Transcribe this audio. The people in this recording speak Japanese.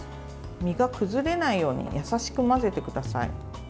身が崩れないように優しく混ぜてください。